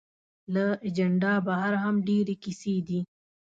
له اجنډا بهر هم ډېرې کیسې دي.